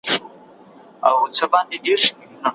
ایا څېړونکی باید د قافیي اصول وپېژني؟